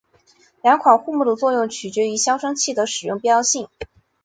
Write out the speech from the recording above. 两款护木的使用取决于消声器的使用必要性。